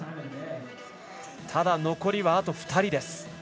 ただ残りはあと２人です。